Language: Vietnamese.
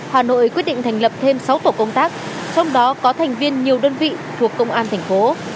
hà nội quyết định thành lập thêm sáu tổ công tác trong đó có thành viên nhiều đơn vị thuộc công an thành phố